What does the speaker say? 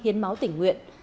nhiều người đều tỉnh nguyện